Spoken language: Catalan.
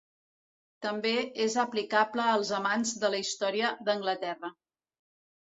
També és aplicable als amants de la història d'Anglaterra.